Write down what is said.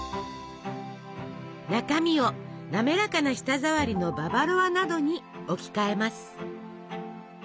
中身を滑らかな舌触りのババロアなどに置き換えます。